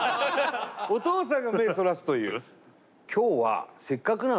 お父さんが目そらすという。